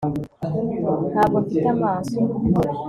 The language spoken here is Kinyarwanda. ntabwo mfite amaso